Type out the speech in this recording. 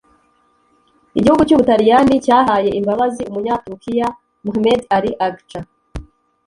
Igihugu cy’ubutaliyani cyahaye imbabazi umunyaturukiya Mehmet Ali Agca